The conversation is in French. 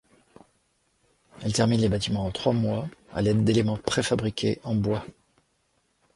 Elle termine les bâtiments en trois mois à l'aide d'éléments préfabriqués en bois.